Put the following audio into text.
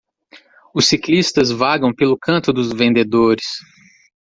Os ciclistas vagam pelo canto dos vendedores.